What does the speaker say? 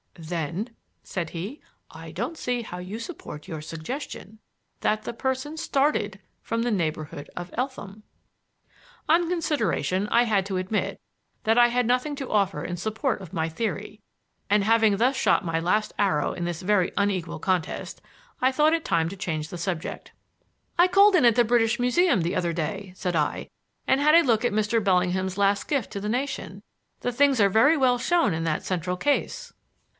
"Then," said he, "I don't see how you support your suggestion that the person started from the neighborhood of Eltham." On consideration, I had to admit that I had nothing to offer in support of my theory; and having thus shot my last arrow in this very unequal contest, I thought it time to change the subject. "I called in at the British Museum the other day," said I, "and had a look at Mr. Bellingham's last gift to the nation. The things are very well shown in that central case."